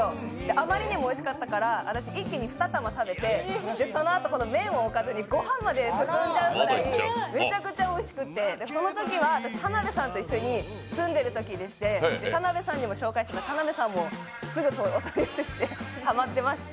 あまりにもおいしかったから私、一気に２玉食べてそのあと、麺をおかずにご飯まで進んじゃうぐらいめちゃくちゃおいしくて、そのときは私、田辺さんと一緒に住んでいるときでして、田辺さんにも紹介したんですが、田辺さんもすぐお取り寄せしてハマってまして。